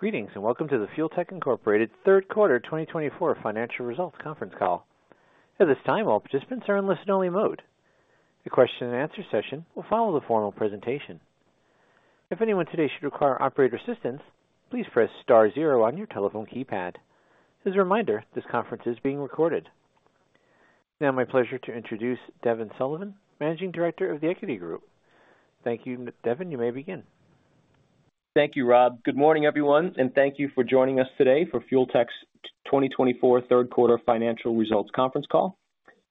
Greetings, and welcome to the Fuel Tech Incorporated's third quarter 2024 financial results conference call. At this time, all participants are in listen-only mode. The question-and-answer session will follow the formal presentation. If anyone today should require operator assistance, please press star zero on your telephone keypad. As a reminder, this conference is being recorded. Now, my pleasure to introduce Devin Sullivan, Managing Director of The Equity Group. Thank you, Devin. You may begin. Thank you, Rob. Good morning, everyone, and thank you for joining us today for Fuel Tech's 2024 third quarter financial results conference call.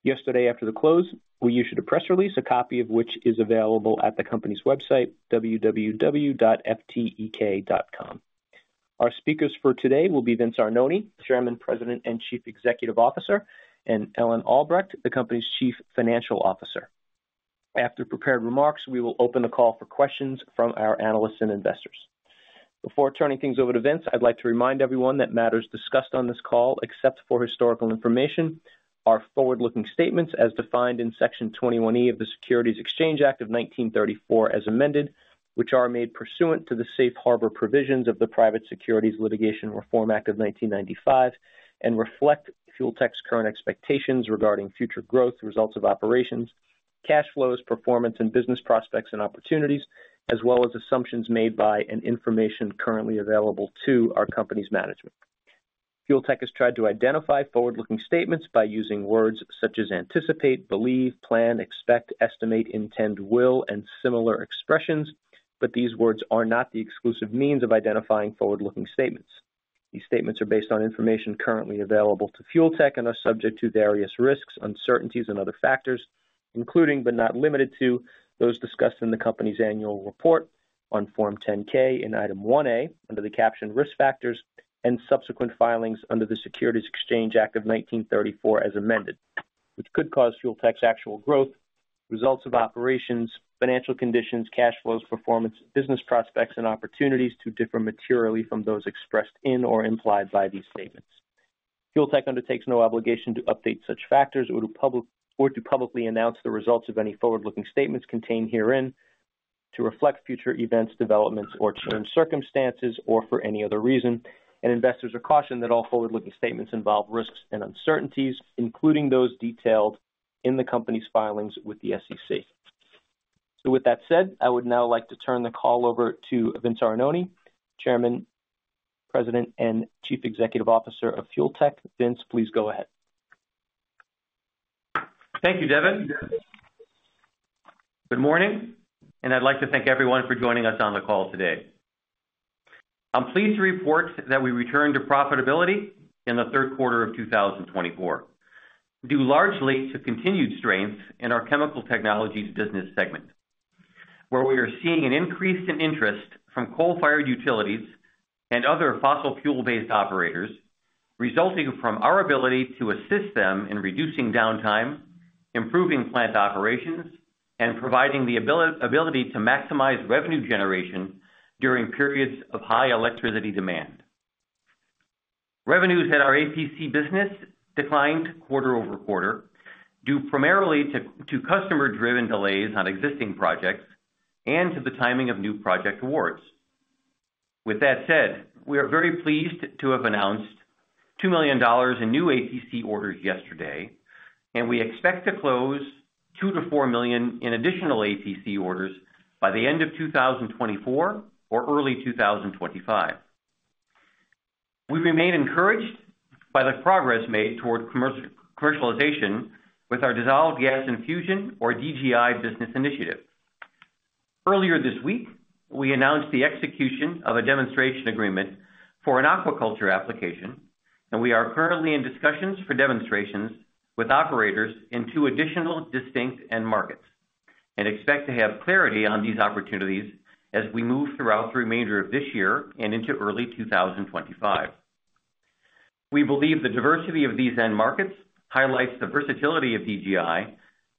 Yesterday, after the close, we issued a press release, a copy of which is available at the company's website, www.ftek.com. Our speakers for today will be Vince Arnone, Chairman, President, and Chief Executive Officer, and Ellen Albrecht, the company's Chief Financial Officer. After prepared remarks, we will open the call for questions from our analysts and investors. Before turning things over to Vince, I'd like to remind everyone that matters discussed on this call, except for historical information, are forward-looking statements as defined in Section 21E of the Securities Exchange Act of 1934, as amended, which are made pursuant to the safe harbor provisions of the Private Securities Litigation Reform Act of 1995 and reflect Fuel Tech's current expectations regarding future growth, results of operations, cash flows, performance, and business prospects and opportunities, as well as assumptions made by and information currently available to our company's management. Fuel Tech has tried to identify forward-looking statements by using words such as anticipate, believe, plan, expect, estimate, intend, will, and similar expressions, but these words are not the exclusive means of identifying forward-looking statements. These statements are based on information currently available to Fuel Tech and are subject to various risks, uncertainties, and other factors, including but not limited to those discussed in the company's annual report on Form 10-K in Item 1A under the caption Risk Factors and subsequent filings under the Securities Exchange Act of 1934, as amended, which could cause Fuel Tech's actual growth, results of operations, financial conditions, cash flows, performance, business prospects, and opportunities to differ materially from those expressed in or implied by these statements. Fuel Tech undertakes no obligation to update such factors or to publicly announce the results of any forward-looking statements contained herein to reflect future events, developments, or change circumstances or for any other reason, and investors are cautioned that all forward-looking statements involve risks and uncertainties, including those detailed in the company's filings with the SEC. So, with that said, I would now like to turn the call over to Vince Arnone, Chairman, President, and Chief Executive Officer of Fuel Tech. Vince, please go ahead. Thank you, Devin. Good morning, and I'd like to thank everyone for joining us on the call today. I'm pleased to report that we returned to profitability in the third quarter of 2024 due largely to continued strength in our chemical technologies business segment, where we are seeing an increase in interest from coal-fired utilities and other fossil fuel-based operators, resulting from our ability to assist them in reducing downtime, improving plant operations, and providing the ability to maximize revenue generation during periods of high electricity demand. Revenues in our APC business declined quarter over quarter due primarily to customer-driven delays on existing projects and to the timing of new project awards. With that said, we are very pleased to have announced $2 million in new APC orders yesterday, and we expect to close $2-$4 million in additional APC orders by the end of 2024 or early 2025. We remain encouraged by the progress made toward commercialization with our dissolved gas infusion, or DGI, business initiative. Earlier this week, we announced the execution of a demonstration agreement for an aquaculture application, and we are currently in discussions for demonstrations with operators in two additional distinct end markets and expect to have clarity on these opportunities as we move throughout the remainder of this year and into early 2025. We believe the diversity of these end markets highlights the versatility of DGI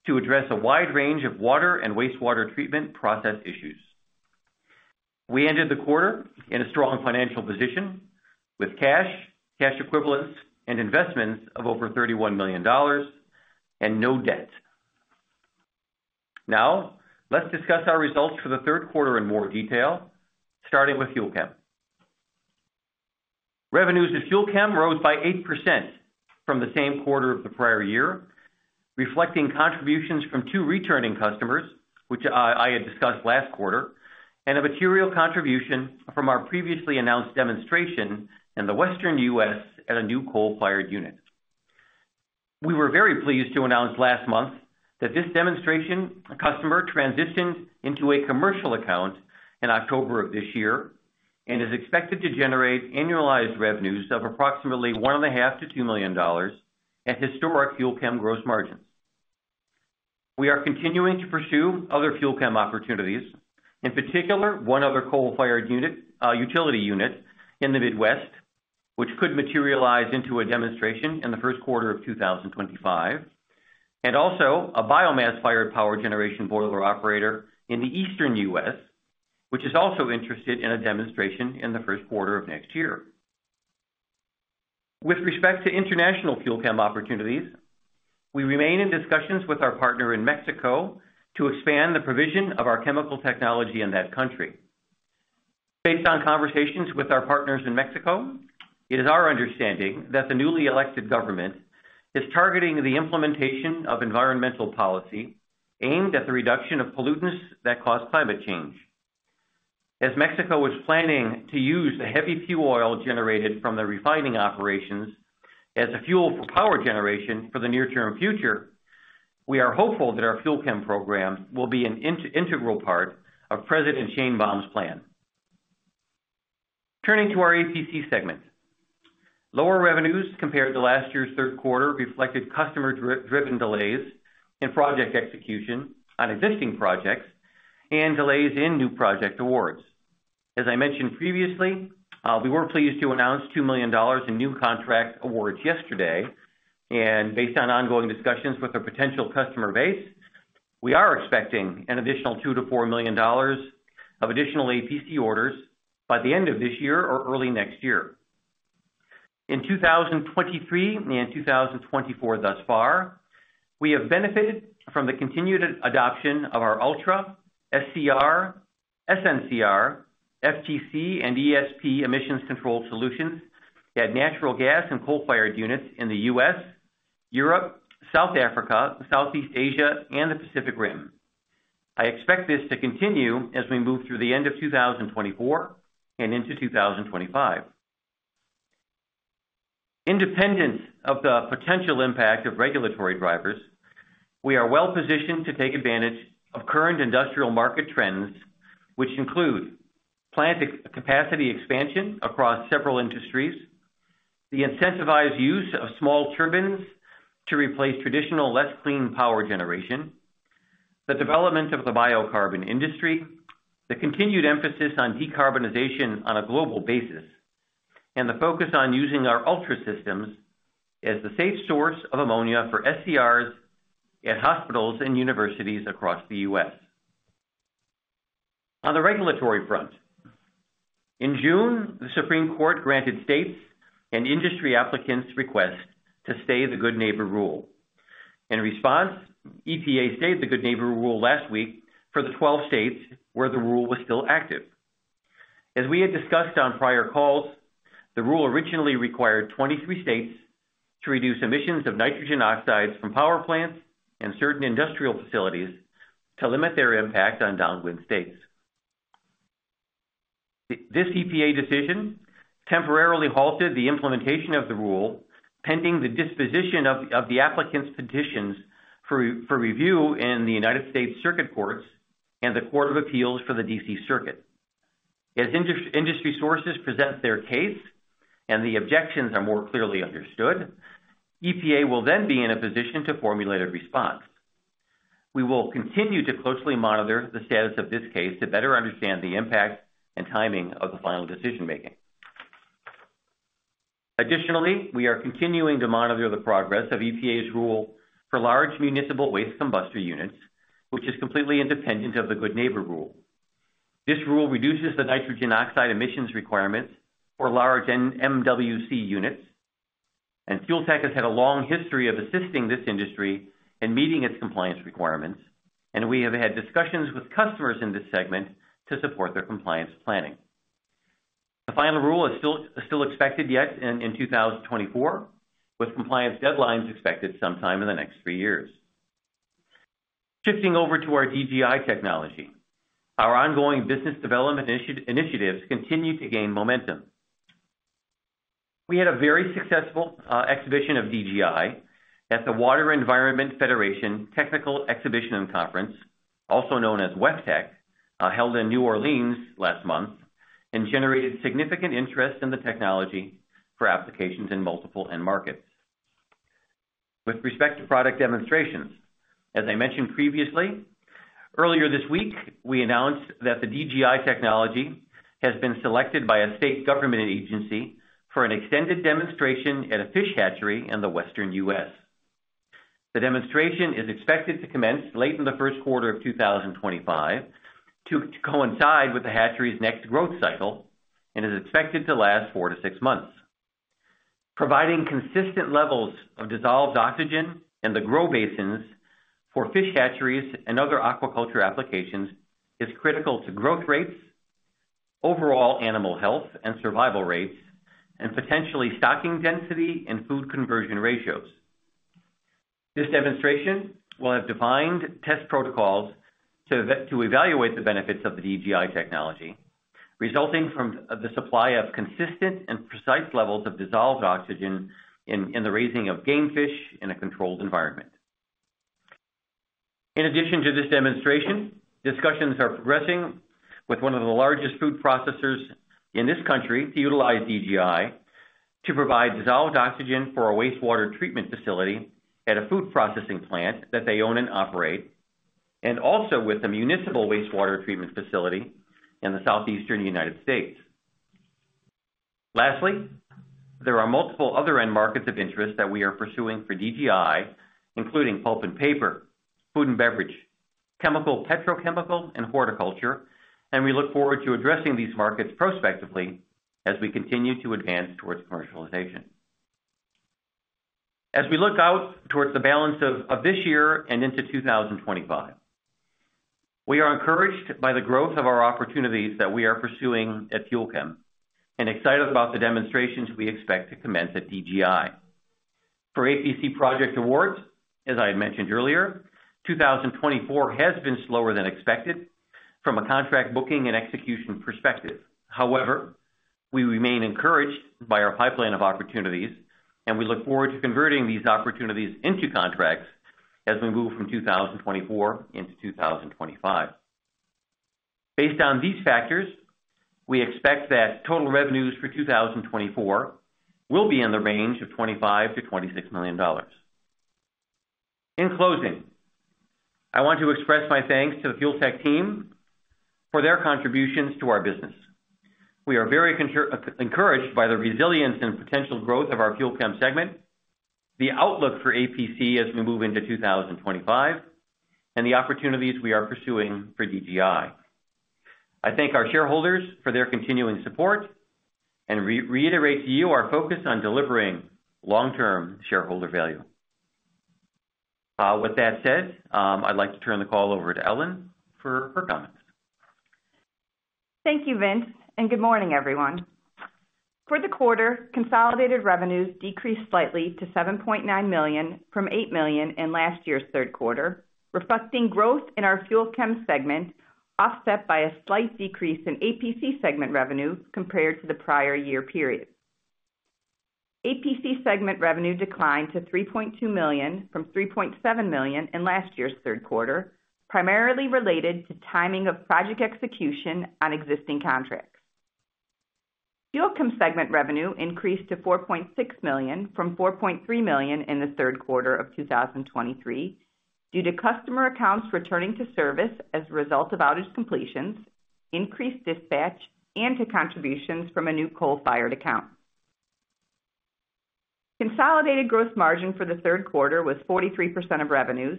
to address a wide range of water and wastewater treatment process issues. We ended the quarter in a strong financial position with cash, cash equivalents, and investments of over $31 million and no debt. Now, let's discuss our results for the third quarter in more detail, starting with Fuel Chem. Revenues at Fuel Chem rose by 8% from the same quarter of the prior year, reflecting contributions from two returning customers, which I had discussed last quarter, and a material contribution from our previously announced demonstration in the Western U.S. at a new coal-fired unit. We were very pleased to announce last month that this demonstration customer transitioned into a commercial account in October of this year and is expected to generate annualized revenues of approximately $1.5-$2 million at historic Fuel Chem gross margins. We are continuing to pursue other Fuel Chem opportunities, in particular one other coal-fired utility unit in the Midwest, which could materialize into a demonstration in the first quarter of 2025, and also a biomass-fired power generation boiler operator in the Eastern U.S., which is also interested in a demonstration in the first quarter of next year. With respect to international Fuel Chem opportunities, we remain in discussions with our partner in Mexico to expand the provision of our chemical technology in that country. Based on conversations with our partners in Mexico, it is our understanding that the newly elected government is targeting the implementation of environmental policy aimed at the reduction of pollutants that cause climate change. As Mexico is planning to use the heavy fuel oil generated from the refining operations as a fuel for power generation for the near-term future, we are hopeful that our Fuel Chem program will be an integral part of President Sheinbaum's plan. Turning to our APC segment, lower revenues compared to last year's third quarter reflected customer-driven delays in project execution on existing projects and delays in new project awards. As I mentioned previously, we were pleased to announce $2 million in new contract awards yesterday, and based on ongoing discussions with our potential customer base, we are expecting an additional $2-$4 million of additional APC orders by the end of this year or early next year. In 2023 and 2024 thus far, we have benefited from the continued adoption of our ULTRA, SCR, SNCR, FGC, and ESP emissions control solutions at natural gas and coal-fired units in the U.S., Europe, South Africa, Southeast Asia, and the Pacific Rim. I expect this to continue as we move through the end of 2024 and into 2025. Independent of the potential impact of regulatory drivers, we are well positioned to take advantage of current industrial market trends, which include plant capacity expansion across several industries, the incentivized use of small turbines to replace traditional less clean power generation, the development of the biocarbon industry, the continued emphasis on decarbonization on a global basis, and the focus on using our ULTRA systems as the safe source of ammonia for SCRs at hospitals and universities across the U.S. On the regulatory front, in June, the Supreme Court granted states and industry applicants' request to stay the Good Neighbor Rule. In response, the EPA stayed the Good Neighbor Rule last week for the 12 states where the rule was still active. As we had discussed on prior calls, the rule originally required 23 states to reduce emissions of nitrogen oxides from power plants and certain industrial facilities to limit their impact on downwind states. This EPA decision temporarily halted the implementation of the rule, pending the disposition of the applicant's petitions for review in the United States Circuit Courts and the Court of Appeals for the D.C. Circuit. As industry sources present their case and the objections are more clearly understood, the EPA will then be in a position to formulate a response. We will continue to closely monitor the status of this case to better understand the impact and timing of the final decision-making. Additionally, we are continuing to monitor the progress of EPA's rule for large municipal waste combustion units, which is completely independent of the Good Neighbor Rule. This rule reduces the nitrogen oxide emissions requirements for large MWC units, and Fuel Tech has had a long history of assisting this industry in meeting its compliance requirements, and we have had discussions with customers in this segment to support their compliance planning. The final rule is still expected yet in 2024, with compliance deadlines expected sometime in the next three years. Shifting over to our DGI technology, our ongoing business development initiatives continue to gain momentum. We had a very successful exhibition of DGI at the Water Environment Federation Technical Exhibition and Conference, also known as WEFTEC, held in New Orleans last month, and generated significant interest in the technology for applications in multiple end markets. With respect to product demonstrations, as I mentioned previously, earlier this week, we announced that the DGI technology has been selected by a state government agency for an extended demonstration at a fish hatchery in the Western U.S. The demonstration is expected to commence late in the first quarter of 2025 to coincide with the hatchery's next growth cycle and is expected to last four to six months. Providing consistent levels of dissolved oxygen in the grow basins for fish hatcheries and other aquaculture applications is critical to growth rates, overall animal health and survival rates, and potentially stocking density and food conversion ratios. This demonstration will have defined test protocols to evaluate the benefits of the DGI technology, resulting from the supply of consistent and precise levels of dissolved oxygen in the raising of game fish in a controlled environment. In addition to this demonstration, discussions are progressing with one of the largest food processors in this country to utilize DGI to provide dissolved oxygen for a wastewater treatment facility at a food processing plant that they own and operate, and also with a municipal wastewater treatment facility in the Southeastern United States. Lastly, there are multiple other end markets of interest that we are pursuing for DGI, including pulp and paper, food and beverage, chemical, petrochemical, and horticulture, and we look forward to addressing these markets prospectively as we continue to advance towards commercialization. As we look out towards the balance of this year and into 2025, we are encouraged by the growth of our opportunities that we are pursuing at Fuel Chem and excited about the demonstrations we expect to commence at DGI. For APC project awards, as I had mentioned earlier, 2024 has been slower than expected from a contract booking and execution perspective. However, we remain encouraged by our pipeline of opportunities, and we look forward to converting these opportunities into contracts as we move from 2024 into 2025. Based on these factors, we expect that total revenues for 2024 will be in the range of $25-$26 million. In closing, I want to express my thanks to the Fuel Tech team for their contributions to our business. We are very encouraged by the resilience and potential growth of our Fuel Chem segment, the outlook for APC as we move into 2025, and the opportunities we are pursuing for DGI. I thank our shareholders for their continuing support and reiterate to you our focus on delivering long-term shareholder value. With that said, I'd like to turn the call over to Ellen for her comments. Thank you, Vince, and good morning, everyone. For the quarter, consolidated revenues decreased slightly to $7.9 million from $8 million in last year's third quarter, reflecting growth in our Fuel Chem segment offset by a slight decrease in APC segment revenue compared to the prior year period. APC segment revenue declined to $3.2 million from $3.7 million in last year's third quarter, primarily related to timing of project execution on existing contracts. Fuel Chem segment revenue increased to $4.6 million from $4.3 million in the third quarter of 2023 due to customer accounts returning to service as a result of outage completions, increased dispatch, and to contributions from a new coal-fired account. Consolidated gross margin for the third quarter was 43% of revenues,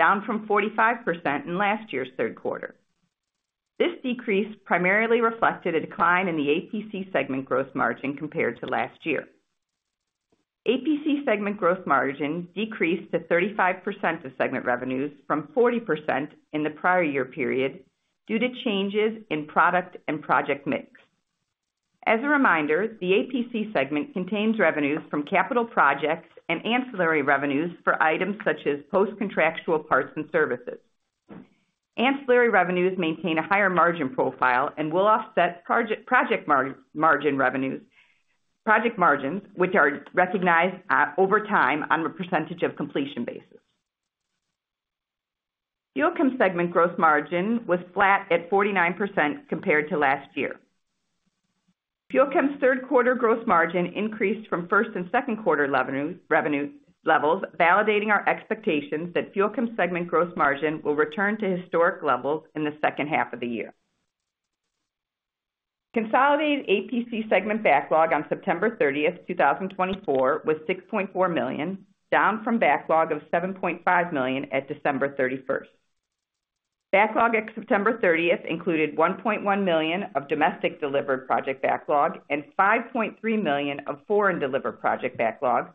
down from 45% in last year's third quarter. This decrease primarily reflected a decline in the APC segment gross margin compared to last year. APC segment gross margin decreased to 35% of segment revenues from 40% in the prior year period due to changes in product and project mix. As a reminder, the APC segment contains revenues from capital projects and ancillary revenues for items such as post-contractual parts and services. Ancillary revenues maintain a higher margin profile and will offset project margin revenues, project margins, which are recognized over time on a percentage of completion basis. Fuel Chem segment gross margin was flat at 49% compared to last year. Fuel Chem's third quarter gross margin increased from first and second quarter revenue levels, validating our expectations that Fuel Chem segment gross margin will return to historic levels in the second half of the year. Consolidated APC segment backlog on September 30, 2024, was $6.4 million, down from backlog of $7.5 million at December 31. Backlog at September 30 included $1.1 million of domestic delivered project backlog and $5.3 million of foreign delivered project backlog,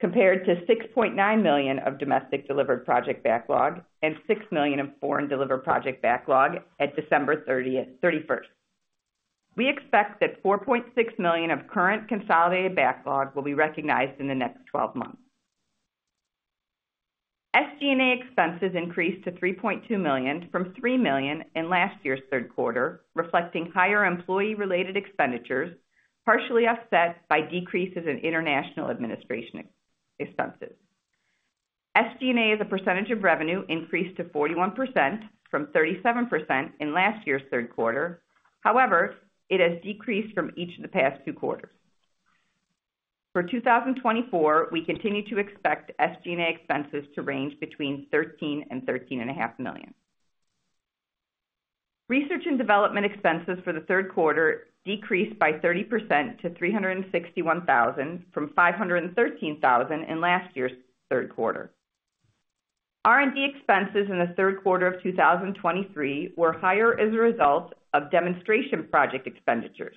compared to $6.9 million of domestic delivered project backlog and $6 million of foreign delivered project backlog at December 31. We expect that $4.6 million of current consolidated backlog will be recognized in the next 12 months. SG&A expenses increased to $3.2 million from $3 million in last year's third quarter, reflecting higher employee-related expenditures, partially offset by decreases in international administration expenses. SG&A's percentage of revenue increased to 41% from 37% in last year's third quarter. However, it has decreased from each of the past two quarters. For 2024, we continue to expect SG&A expenses to range between $13 and $13.5 million. Research and development expenses for the third quarter decreased by 30% to $361,000 from $513,000 in last year's third quarter. R&D expenses in the third quarter of 2023 were higher as a result of demonstration project expenditures.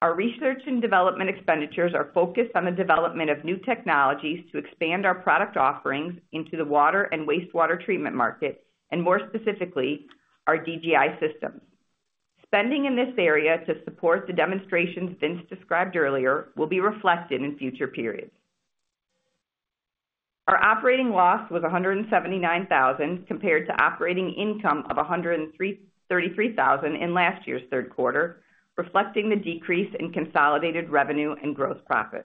Our research and development expenditures are focused on the development of new technologies to expand our product offerings into the water and wastewater treatment market, and more specifically, our DGI systems. Spending in this area to support the demonstrations Vince described earlier will be reflected in future periods. Our operating loss was $179,000 compared to operating income of $133,000 in last year's third quarter, reflecting the decrease in consolidated revenue and gross profit.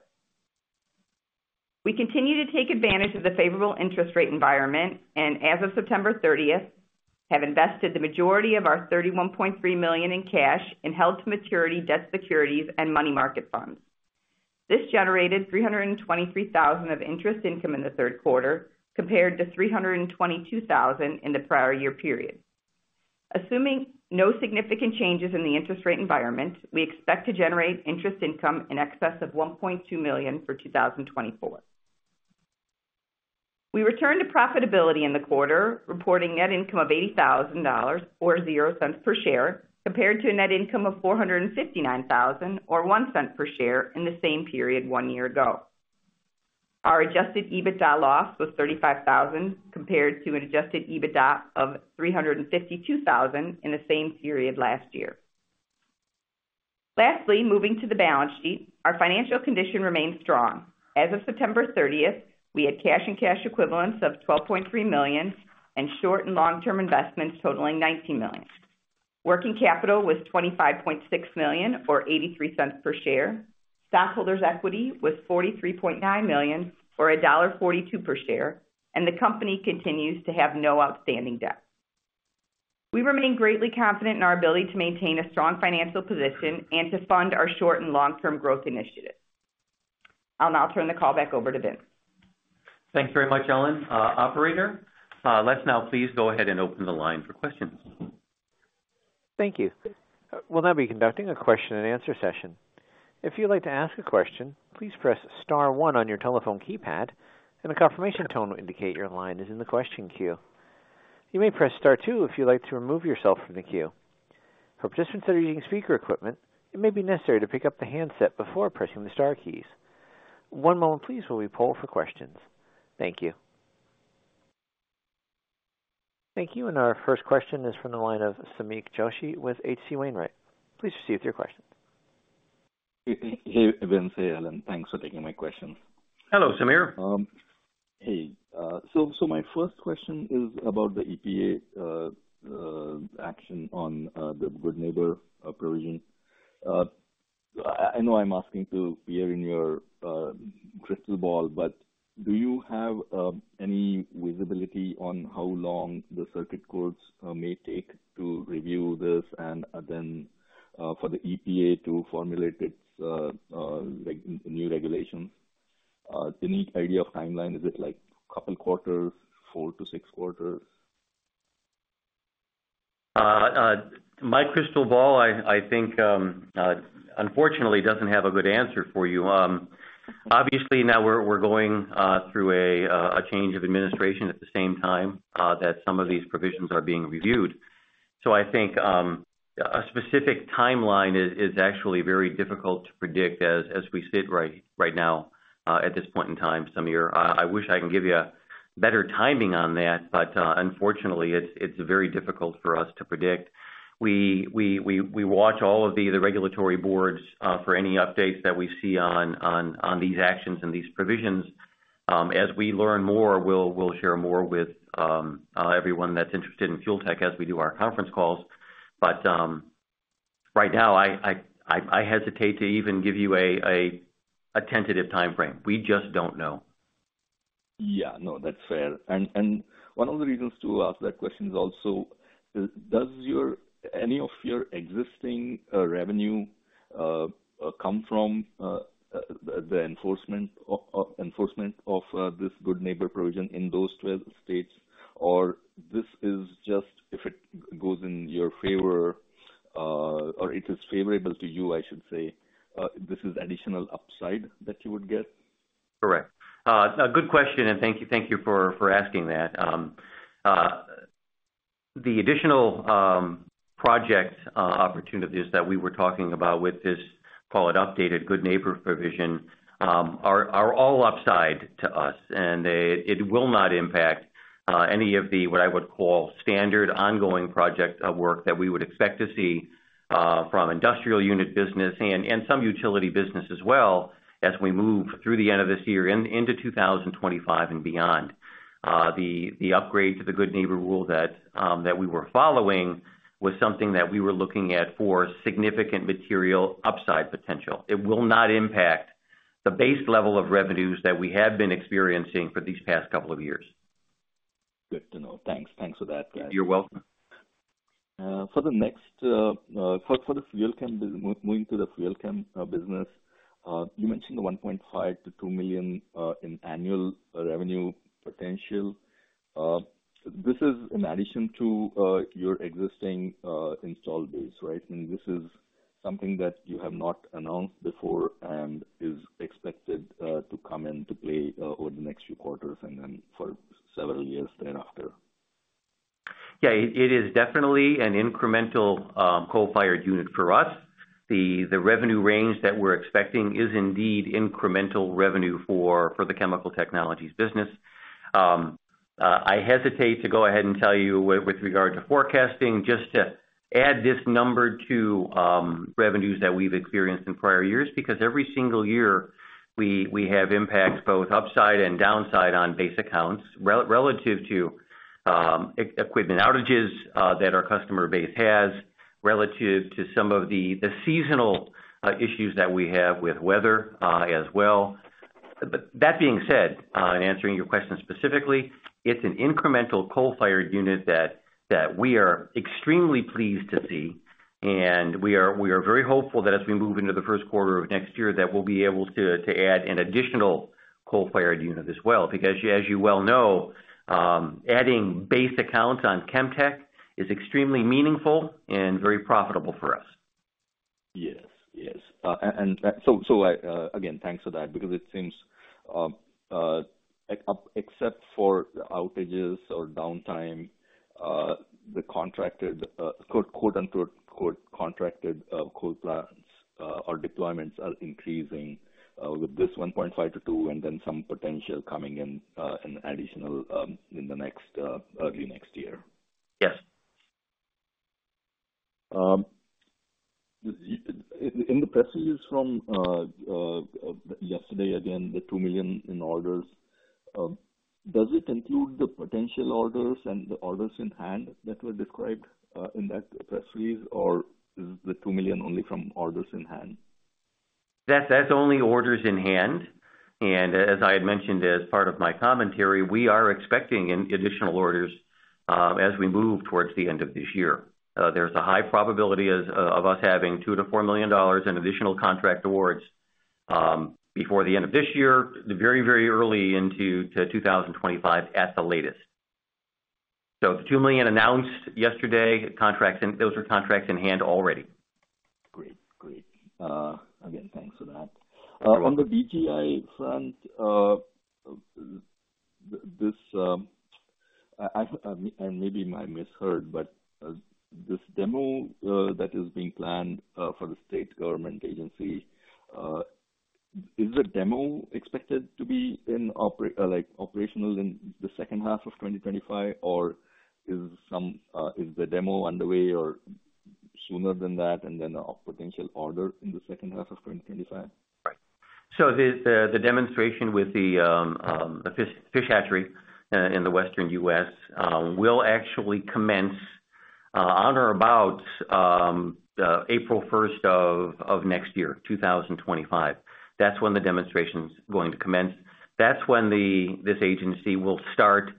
We continue to take advantage of the favorable interest rate environment and, as of September 30, have invested the majority of our $31.3 million in cash and held to maturity debt securities and money market funds. This generated $323,000 of interest income in the third quarter, compared to $322,000 in the prior year period. Assuming no significant changes in the interest rate environment, we expect to generate interest income in excess of $1.2 million for 2024. We returned to profitability in the quarter, reporting net income of $80,000 or $0.00 per share, compared to a net income of $459,000 or $0.01 per share in the same period one year ago. Our adjusted EBITDA loss was $35,000, compared to an adjusted EBITDA of $352,000 in the same period last year. Lastly, moving to the balance sheet, our financial condition remained strong. As of September 30, we had cash and cash equivalents of $12.3 million and short and long-term investments totaling $19 million. Working capital was $25.6 million or $0.83 per share. Stockholders' equity was $43.9 million or $1.42 per share, and the company continues to have no outstanding debt. We remain greatly confident in our ability to maintain a strong financial position and to fund our short and long-term growth initiatives. I'll now turn the call back over to Vince. Thanks very much, Ellen. Operator, let's now please go ahead and open the line for questions. Thank you. We'll now be conducting a question-and-answer session. If you'd like to ask a question, please press Star 1 on your telephone keypad, and a confirmation tone will indicate your line is in the question queue. You may press Star 2 if you'd like to remove yourself from the queue. For participants that are using speaker equipment, it may be necessary to pick up the handset before pressing the Star keys. One moment, please, while we poll for questions. Thank you. Thank you. And our first question is from the line of Sameer Joshi with H.C. Wainwright. Please proceed with your question. Hey, Vince, hey, Ellen. Thanks for taking my questions. Hello, Sameer. Hey. So my first question is about the EPA action on the good neighbor provision. I know I'm asking to peer in your crystal ball, but do you have any visibility on how long the circuit courts may take to review this and then for the EPA to formulate its new regulations? Any idea of timeline? Is it a couple of quarters, four to six quarters? My crystal ball, I think, unfortunately, doesn't have a good answer for you. Obviously, now we're going through a change of administration at the same time that some of these provisions are being reviewed. So I think a specific timeline is actually very difficult to predict as we sit right now at this point in time, Sameer. I wish I can give you a better timing on that, but unfortunately, it's very difficult for us to predict. We watch all of the regulatory boards for any updates that we see on these actions and these provisions. As we learn more, we'll share more with everyone that's interested in Fuel Tech as we do our conference calls. But right now, I hesitate to even give you a tentative timeframe. We just don't know. Yeah, no, that's fair, and one of the reasons to ask that question is also, does any of your existing revenue come from the enforcement of this good neighbor provision in those 12 states, or this is just if it goes in your favor or it is favorable to you, I should say, this is additional upside that you would get? Correct. A good question, and thank you for asking that. The additional project opportunities that we were talking about with this, call it updated Good Neighbor Rule, are all upside to us, and it will not impact any of the what I would call standard ongoing project work that we would expect to see from industrial unit business and some utility business as well as we move through the end of this year into 2025 and beyond. The upgrade to the Good Neighbor Rule that we were following was something that we were looking at for significant material upside potential. It will not impact the base level of revenues that we have been experiencing for these past couple of years. Good to know. Thanks. Thanks for that. You're welcome. For the next, for the Fuel Chem moving to the Fuel Chem business, you mentioned the $1.5-$2 million in annual revenue potential. This is in addition to your existing install base, right? I mean, this is something that you have not announced before and is expected to come into play over the next few quarters and then for several years thereafter. Yeah, it is definitely an incremental coal-fired unit for us. The revenue range that we're expecting is indeed incremental revenue for the chemical technologies business. I hesitate to go ahead and tell you with regard to forecasting, just to add this number to revenues that we've experienced in prior years, because every single year we have impacts both upside and downside on base accounts relative to equipment outages that our customer base has, relative to some of the seasonal issues that we have with weather as well. But that being said, in answering your question specifically, it's an incremental coal-fired unit that we are extremely pleased to see, and we are very hopeful that as we move into the first quarter of next year, that we'll be able to add an additional coal-fired unit as well, because as you well know, adding base accounts on Fuel Chem is extremely meaningful and very profitable for us. Yes, yes. And so again, thanks for that, because it seems except for outages or downtime, the contracted coal plants or deployments are increasing with this $1.5-$2 and then some potential coming in additional in the early next year. Yes. In the press release from yesterday, again, the $2 million in orders, does it include the potential orders and the orders in hand that were described in that press release, or is the $2 million only from orders in hand? That's only orders in hand. And as I had mentioned as part of my commentary, we are expecting additional orders as we move towards the end of this year. There's a high probability of us having $2-$4 million in additional contract awards before the end of this year, very, very early into 2025 at the latest. So the $2 million announced yesterday, those are contracts in hand already. Great, great. Again, thanks for that. On the DGI front, this and maybe I misheard, but this demo that is being planned for the state government agency, is the demo expected to be operational in the second half of 2025, or is the demo underway or sooner than that, and then a potential order in the second half of 2025? Right. So the demonstration with the fish hatchery in the Western U.S. will actually commence on or about April 1 of next year, 2025. That's when the demonstration's going to commence. That's when this agency will start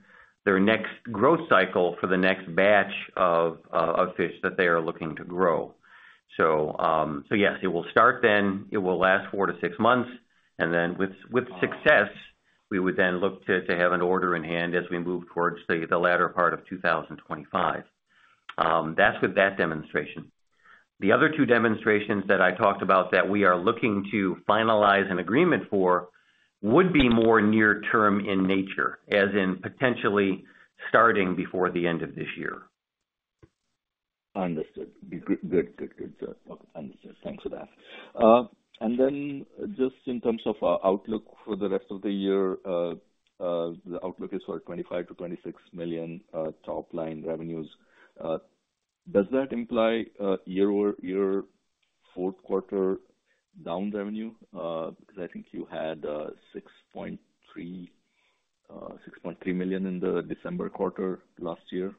their next growth cycle for the next batch of fish that they are looking to grow. So yes, it will start then. It will last four to six months. And then with success, we would then look to have an order in hand as we move towards the latter part of 2025. That's with that demonstration. The other two demonstrations that I talked about that we are looking to finalize an agreement for would be more near-term in nature, as in potentially starting before the end of this year. Understood. Good, good, good. Okay, understood. Thanks for that. And then just in terms of outlook for the rest of the year, the outlook is for $25-$26 million top-line revenues. Does that imply year-over-year fourth quarter down revenue? Because I think you had $6.3 million in the December quarter last year.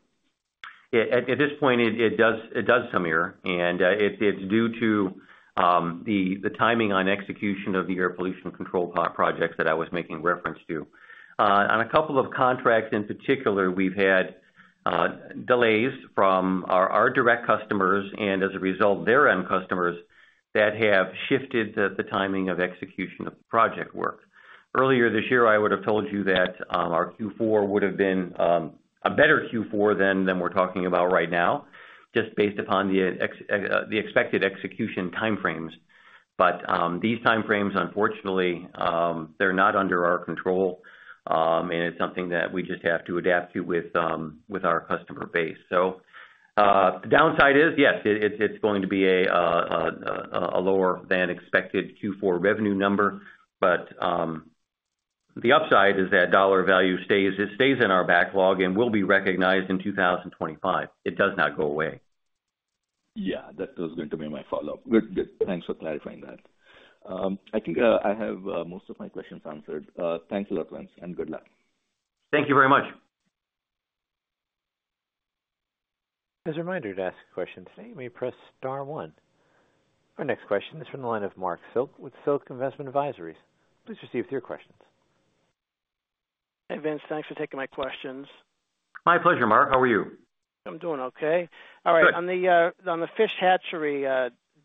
Yeah, at this point, it does, Sameer, and it's due to the timing on execution of the air pollution control projects that I was making reference to. On a couple of contracts in particular, we've had delays from our direct customers and, as a result, their end customers that have shifted the timing of execution of project work. Earlier this year, I would have told you that our Q4 would have been a better Q4 than we're talking about right now, just based upon the expected execution timeframes, but these timeframes, unfortunately, they're not under our control, and it's something that we just have to adapt to with our customer base, so the downside is, yes, it's going to be a lower-than-expected Q4 revenue number, but the upside is that dollar value stays in our backlog and will be recognized in 2025. It does not go away. Yeah, that was going to be my follow-up. Good, good. Thanks for clarifying that. I think I have most of my questions answered. Thanks a lot, Vince, and good luck. Thank you very much. As a reminder to ask a question today, you may press Star one. Our next question is from the line of Mark Silk with Silk Investment Advisors. Please proceed with your questions. Hey, Vince. Thanks for taking my questions. My pleasure, Mark. How are you? I'm doing okay. All right. On the fish hatchery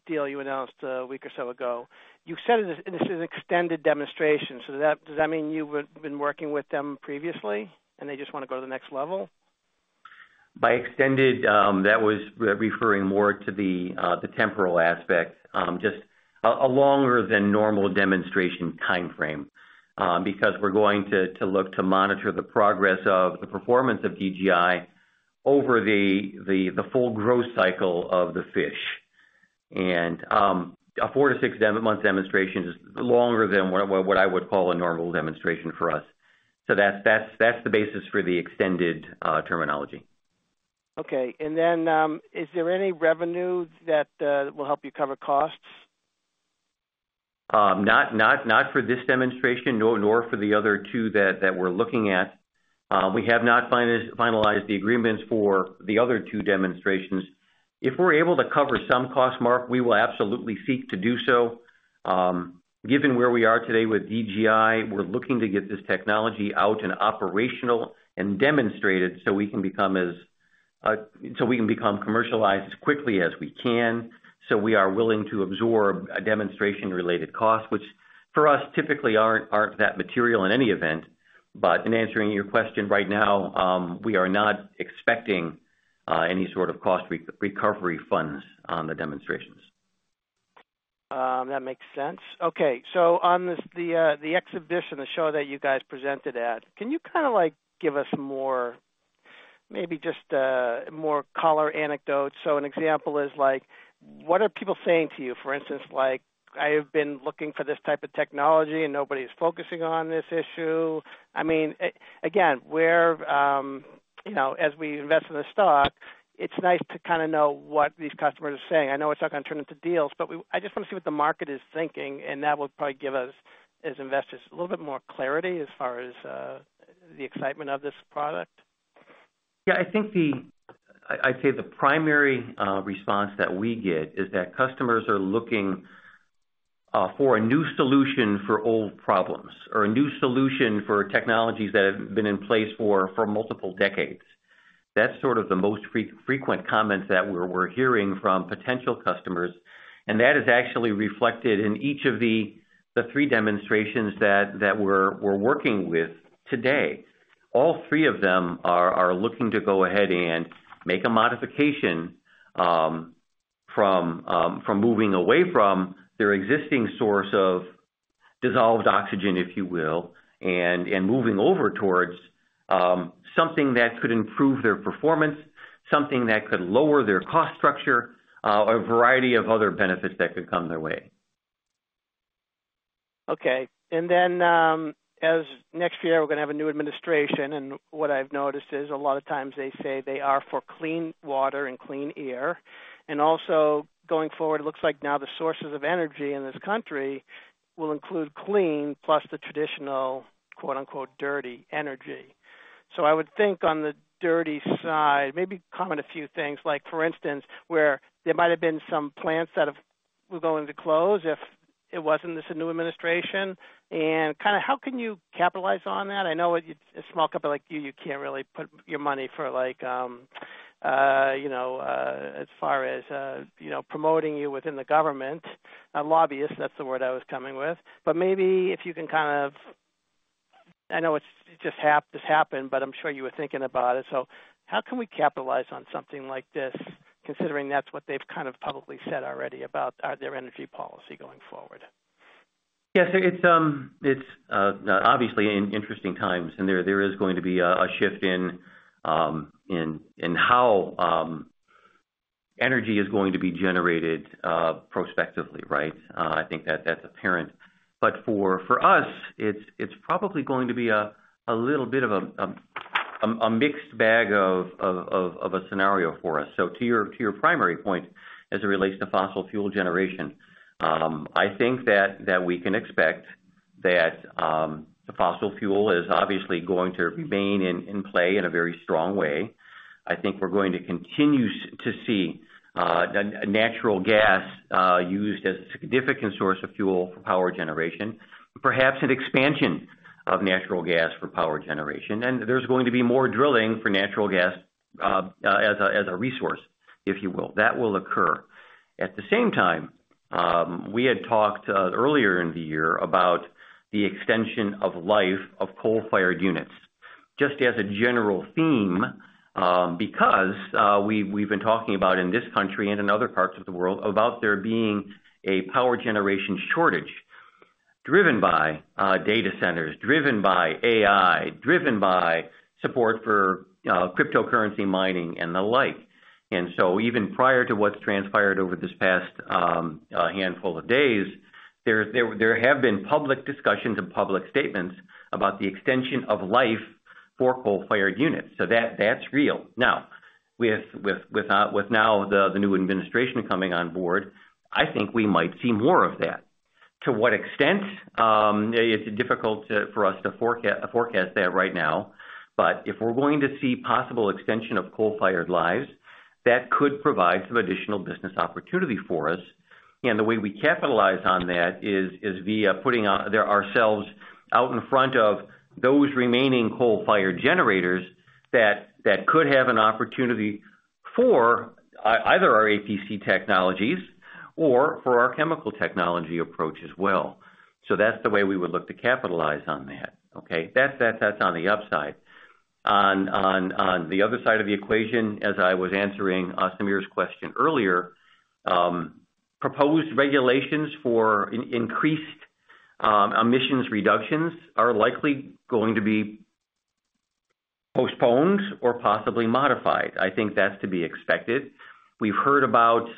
deal you announced a week or so ago, you said this is an extended demonstration. So does that mean you've been working with them previously, and they just want to go to the next level? By extended, that was referring more to the temporal aspect, just a longer-than-normal demonstration timeframe, because we're going to look to monitor the progress of the performance of DGI over the full growth cycle of the fish. And a four-to-six-month demonstration is longer than what I would call a normal demonstration for us. So that's the basis for the extended terminology. Okay. And then is there any revenue that will help you cover costs? Not for this demonstration, nor for the other two that we're looking at. We have not finalized the agreements for the other two demonstrations. If we're able to cover some cost mark, we will absolutely seek to do so. Given where we are today with DGI, we're looking to get this technology out and operational and demonstrated so we can become commercialized as quickly as we can. So we are willing to absorb demonstration-related costs, which for us typically aren't that material in any event. But in answering your question right now, we are not expecting any sort of cost recovery funds on the demonstrations. That makes sense. Okay. So on the exhibition, the show that you guys presented at, can you kind of give us maybe just more color anecdotes? So an example is, what are people saying to you? For instance, like, "I have been looking for this type of technology, and nobody is focusing on this issue." I mean, again, as we invest in the stock, it's nice to kind of know what these customers are saying. I know it's not going to turn into deals, but I just want to see what the market is thinking, and that will probably give us, as investors, a little bit more clarity as far as the excitement of this product. Yeah, I think I'd say the primary response that we get is that customers are looking for a new solution for old problems or a new solution for technologies that have been in place for multiple decades. That's sort of the most frequent comments that we're hearing from potential customers. And that is actually reflected in each of the three demonstrations that we're working with today. All three of them are looking to go ahead and make a modification from moving away from their existing source of dissolved oxygen, if you will, and moving over towards something that could improve their performance, something that could lower their cost structure, a variety of other benefits that could come their way. Okay. And then as next year, we're going to have a new administration. And what I've noticed is a lot of times they say they are for clean water and clean air. And also going forward, it looks like now the sources of energy in this country will include clean plus the traditional "dirty" energy. So I would think on the dirty side, maybe comment a few things, like for instance, where there might have been some plants that will go into closure if it wasn't this new administration. And kind of how can you capitalize on that? I know a small company like you, you can't really put your money for as far as promoting you within the government, lobbyists, that's the word I was coming up with. But maybe if you can kind of I know it's just happened, but I'm sure you were thinking about it. So how can we capitalize on something like this, considering that's what they've kind of publicly said already about their energy policy going forward? Yeah, it's obviously interesting times, and there is going to be a shift in how energy is going to be generated prospectively, right? I think that that's apparent. But for us, it's probably going to be a little bit of a mixed bag of a scenario for us. So to your primary point, as it relates to fossil fuel generation, I think that we can expect that the fossil fuel is obviously going to remain in play in a very strong way. I think we're going to continue to see natural gas used as a significant source of fuel for power generation, perhaps an expansion of natural gas for power generation. And there's going to be more drilling for natural gas as a resource, if you will. That will occur. At the same time, we had talked earlier in the year about the extension of life of coal-fired units, just as a general theme, because we've been talking about in this country and in other parts of the world about there being a power generation shortage driven by data centers, driven by AI, driven by support for cryptocurrency mining and the like. And so even prior to what's transpired over this past handful of days, there have been public discussions and public statements about the extension of life for coal-fired units. So that's real. Now, with the new administration coming on board, I think we might see more of that. To what extent? It's difficult for us to forecast that right now. But if we're going to see possible extension of coal-fired lives, that could provide some additional business opportunity for us. And the way we capitalize on that is via putting ourselves out in front of those remaining coal-fired generators that could have an opportunity for either our APC technologies or for our chemical technology approach as well. So that's the way we would look to capitalize on that. Okay? That's on the upside. On the other side of the equation, as I was answering Sameer's question earlier, proposed regulations for increased emissions reductions are likely going to be postponed or possibly modified. I think that's to be expected. We've heard about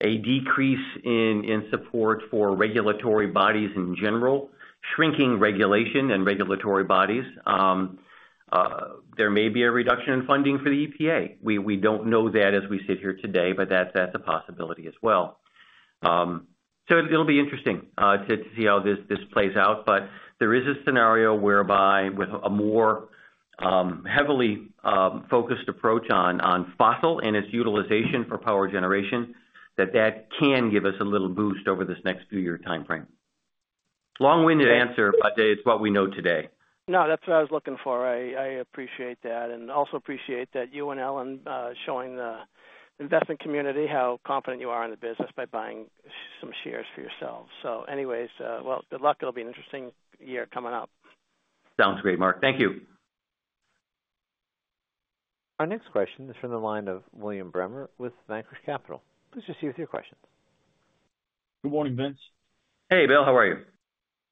a decrease in support for regulatory bodies in general, shrinking regulation and regulatory bodies. There may be a reduction in funding for the EPA. We don't know that as we sit here today, but that's a possibility as well. So it'll be interesting to see how this plays out. But there is a scenario whereby with a more heavily focused approach on fossil and its utilization for power generation, that that can give us a little boost over this next few-year timeframe. Long-winded answer, but it's what we know today. No, that's what I was looking for. I appreciate that. And also appreciate that you and Ellen showing the investment community how confident you are in the business by buying some shares for yourselves. So anyways, well, good luck. It'll be an interesting year coming up. Sounds great, Mark. Thank you. Our next question is from the line of William Bremer with Vanquish Capital. Please proceed with your questions. Good morning, Vince. Hey, Bill. How are you?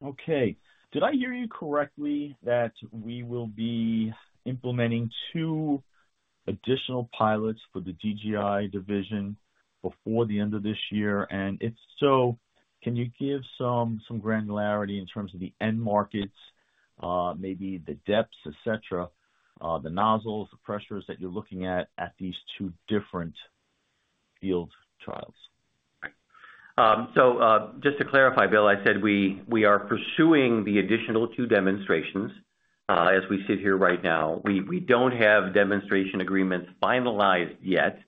Okay. Did I hear you correctly that we will be implementing two additional pilots for the DGI division before the end of this year? And if so, can you give some granularity in terms of the end markets, maybe the depths, etc., the nozzles, the pressures that you're looking at these two different field trials? So just to clarify, Bill, I said we are pursuing the additional two demonstrations as we sit here right now. We don't have demonstration agreements finalized yet,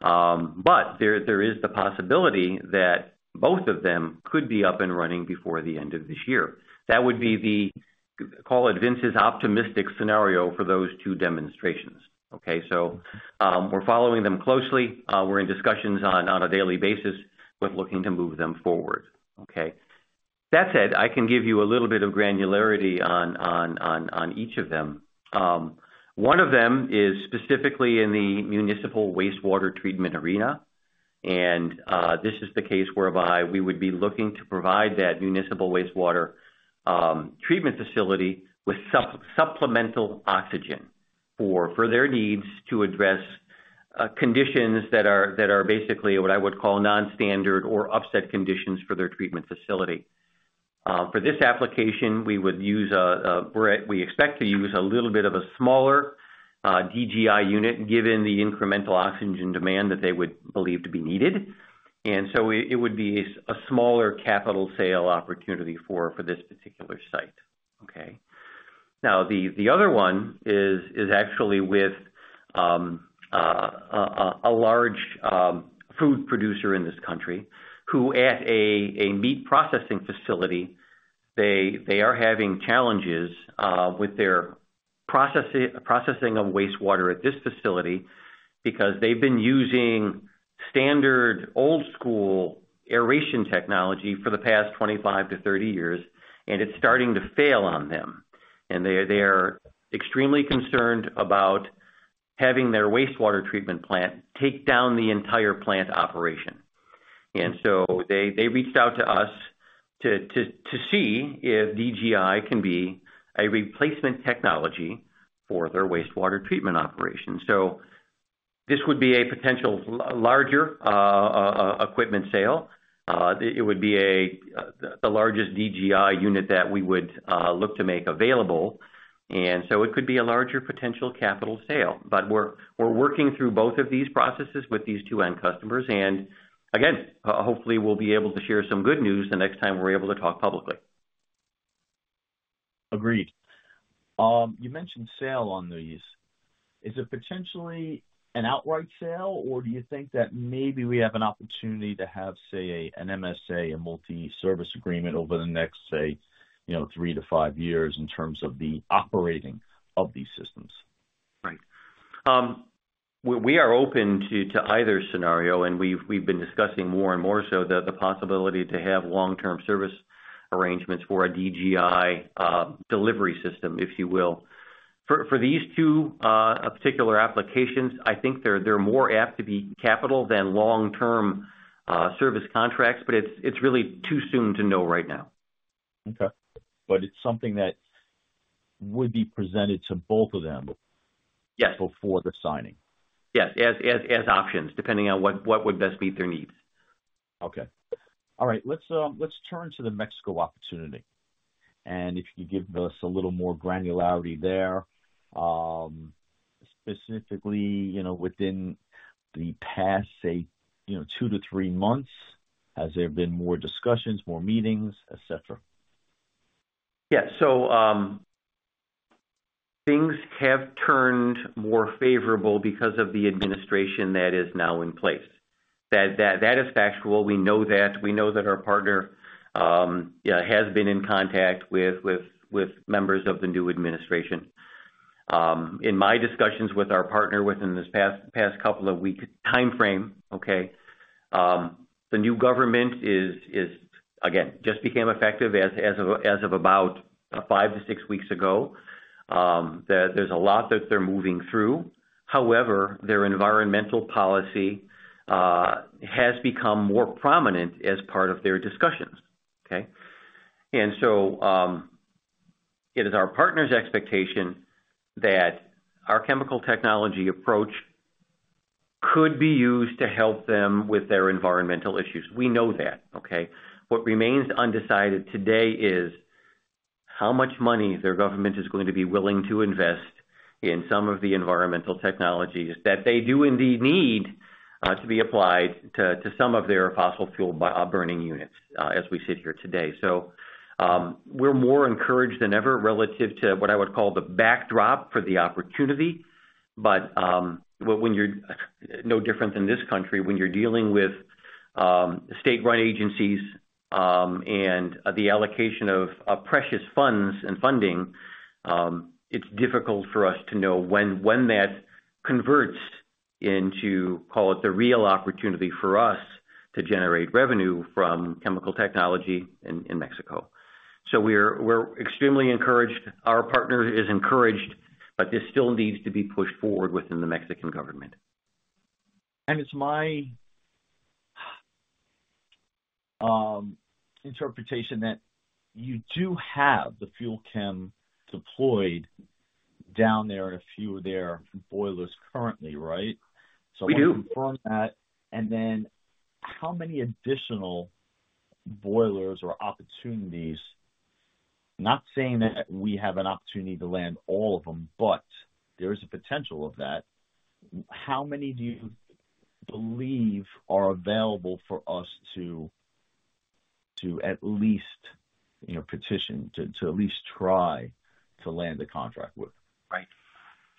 but there is the possibility that both of them could be up and running before the end of this year. That would be the, call it, Vince's optimistic scenario for those two demonstrations. Okay? So we're following them closely. We're in discussions on a daily basis with looking to move them forward. Okay? That said, I can give you a little bit of granularity on each of them. One of them is specifically in the municipal wastewater treatment arena. And this is the case whereby we would be looking to provide that municipal wastewater treatment facility with supplemental oxygen for their needs to address conditions that are basically what I would call non-standard or upset conditions for their treatment facility. For this application, we expect to use a little bit of a smaller DGI unit given the incremental oxygen demand that they would believe to be needed. And so it would be a smaller capital sale opportunity for this particular site. Okay? Now, the other one is actually with a large food producer in this country who, at a meat processing facility, they are having challenges with their processing of wastewater at this facility because they've been using standard old-school aeration technology for the past 25-30 years, and it's starting to fail on them. And so they reached out to us to see if DGI can be a replacement technology for their wastewater treatment operation. So this would be a potential larger equipment sale. It would be the largest DGI unit that we would look to make available. And so it could be a larger potential capital sale. But we're working through both of these processes with these two end customers. And again, hopefully, we'll be able to share some good news the next time we're able to talk publicly. Agreed. You mentioned sale on these. Is it potentially an outright sale, or do you think that maybe we have an opportunity to have, say, an MSA, a multi-service agreement over the next, say, three to five years in terms of the operating of these systems? Right. We are open to either scenario, and we've been discussing more and more so the possibility to have long-term service arrangements for a DGI delivery system, if you will. For these two particular applications, I think they're more apt to be capital than long-term service contracts, but it's really too soon to know right now. Okay. But it's something that would be presented to both of them before the signing? Yes. As options, depending on what would best meet their needs. Okay. All right. Let's turn to the Mexico opportunity, and if you could give us a little more granularity there, specifically within the past, say, two to three months, has there been more discussions, more meetings, etc.? Yeah. So things have turned more favorable because of the administration that is now in place. That is factual. We know that. We know that our partner has been in contact with members of the new administration. In my discussions with our partner within this past couple of week timeframe, okay, the new government is, again, just became effective as of about five to six weeks ago. There's a lot that they're moving through. However, their environmental policy has become more prominent as part of their discussions. Okay? And so it is our partner's expectation that our chemical technology approach could be used to help them with their environmental issues. We know that. Okay? What remains undecided today is how much money their government is going to be willing to invest in some of the environmental technologies that they do indeed need to be applied to some of their fossil fuel-burning units as we sit here today, so we're more encouraged than ever relative to what I would call the backdrop for the opportunity, but no different than this country, when you're dealing with state-run agencies and the allocation of precious funds and funding, it's difficult for us to know when that converts into, call it, the real opportunity for us to generate revenue from chemical technology in Mexico, so we're extremely encouraged. Our partner is encouraged, but this still needs to be pushed forward within the Mexican government. It's my interpretation that you do have the Fuel Chem deployed down there at a few of their boilers currently, right? We do. So to confirm that, and then how many additional boilers or opportunities? Not saying that we have an opportunity to land all of them, but there is a potential of that. How many do you believe are available for us to at least petition, to at least try to land a contract with? Right.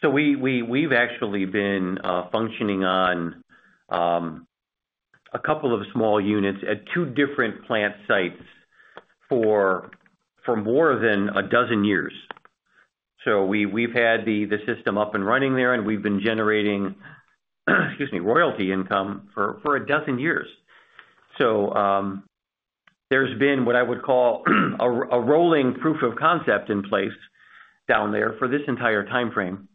So we've actually been functioning on a couple of small units at two different plant sites for more than a dozen years. So we've had the system up and running there, and we've been generating, excuse me, royalty income for a dozen years. So there's been what I would call a rolling proof of concept in place down there for this entire timeframe,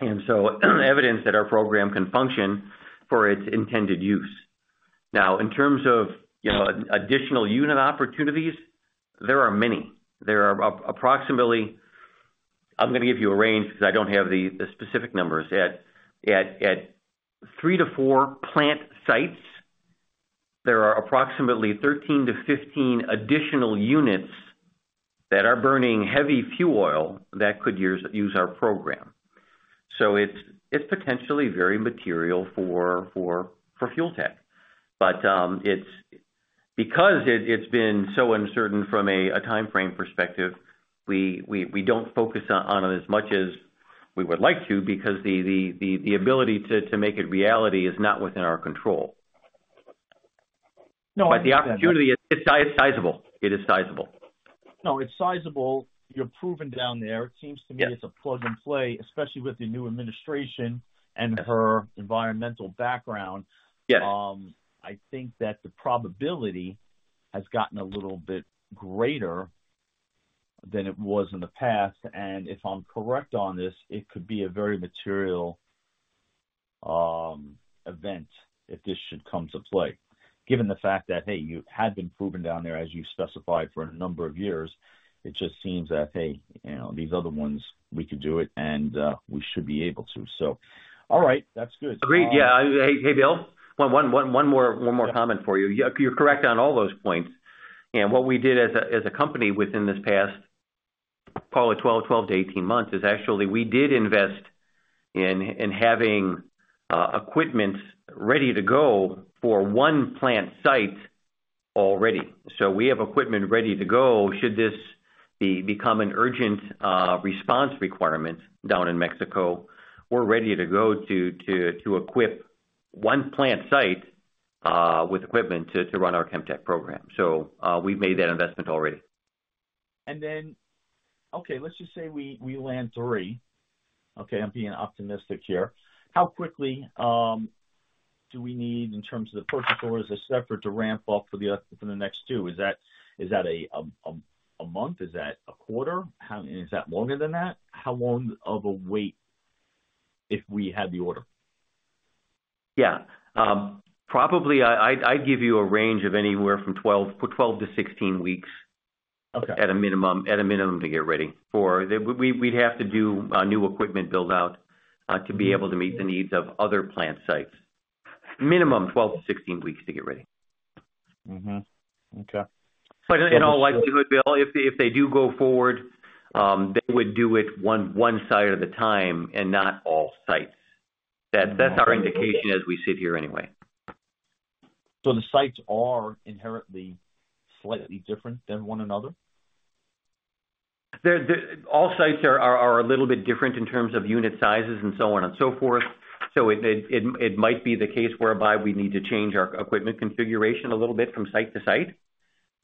and so evidence that our program can function for its intended use. Now, in terms of additional unit opportunities, there are many. There are approximately, I'm going to give you a range because I don't have the specific numbers, at three to four plant sites, there are approximately 13 to 15 additional units that are burning heavy fuel oil that could use our program. So it's potentially very material for Fuel Tech. But because it's been so uncertain from a timeframe perspective, we don't focus on it as much as we would like to because the ability to make it reality is not within our control. But the opportunity is sizable. It is sizable. No, it's sizable. You're proven down there. It seems to me it's a plug and play, especially with the new administration and her environmental background. I think that the probability has gotten a little bit greater than it was in the past. And if I'm correct on this, it could be a very material event if this should come to play. Given the fact that, hey, you had been proven down there, as you specified, for a number of years, it just seems that, hey, these other ones, we could do it, and we should be able to. So, all right. That's good. Agreed. Yeah. Hey, Bill, one more comment for you. You're correct on all those points. And what we did as a company within this past, call it 12-18 months, is actually we did invest in having equipment ready to go for one plant site already. So we have equipment ready to go. Should this become an urgent response requirement down in Mexico, we're ready to go to equip one plant site with equipment to run our Fuel Chem program. So we've made that investment already. And then, okay, let's just say we land three. Okay? I'm being optimistic here. How quickly do we need, in terms of the purchase orders, a separate ramp up for the next two? Is that a month? Is that a quarter? Is that longer than that? How long of a wait if we have the order? Yeah. Probably I'd give you a range of anywhere from 12-16 weeks at a minimum to get ready. For we'd have to do a new equipment build-out to be able to meet the needs of other plant sites. Minimum 12-16 weeks to get ready. Okay. But in all likelihood, Bill, if they do go forward, they would do it one site at a time and not all sites. That's our indication as we sit here anyway. So the sites are inherently slightly different than one another? All sites are a little bit different in terms of unit sizes and so on and so forth. So it might be the case whereby we need to change our equipment configuration a little bit from site to site.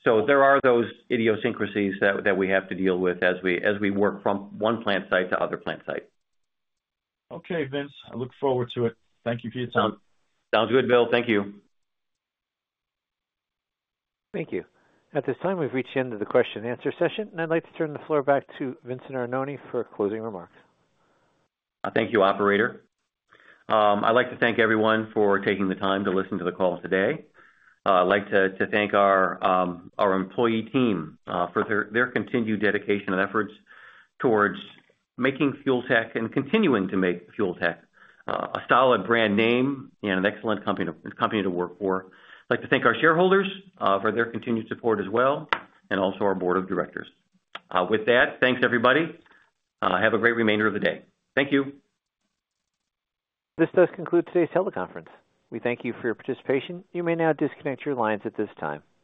So there are those idiosyncrasies that we have to deal with as we work from one plant site to other plant site. Okay, Vince. I look forward to it. Thank you for your time. Sounds good, Will. Thank you. Thank you. At this time, we've reached the end of the question-and-answer session, and I'd like to turn the floor back to Vincent Arnone for closing remarks. Thank you, operator. I'd like to thank everyone for taking the time to listen to the call today. I'd like to thank our employee team for their continued dedication and efforts towards making Fuel Tech and continuing to make Fuel Tech a solid brand name and an excellent company to work for. I'd like to thank our shareholders for their continued support as well, and also our board of directors. With that, thanks, everybody. Have a great remainder of the day. Thank you. This does conclude today's teleconference. We thank you for your participation. You may now disconnect your lines at this time.